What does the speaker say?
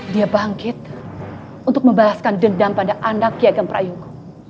dia bangkit untuk membalaskan dendam pada anak kiagam prayung